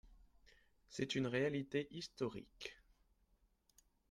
C’est une réalité historique